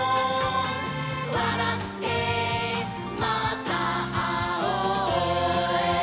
「わらってまたあおう」